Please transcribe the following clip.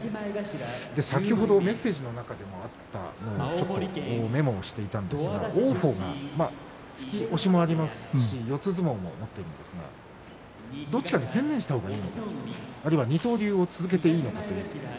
先ほどメッセージの中でもあってメモしていたんですが王鵬が突き押しもありますし四つ相撲も持っているんですがどちらかに専念した方がいいんですかあるいは二刀流を続けていいんでしょうか。